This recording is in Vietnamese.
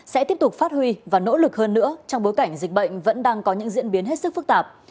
sẽ tiếp tục phát huy và nỗ lực hơn nữa trong bối cảnh dịch bệnh vẫn đang có những diễn biến hết sức phức tạp